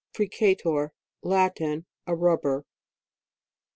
FRICATOR. Latin. A rubber.